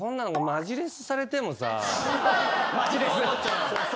「マジレス」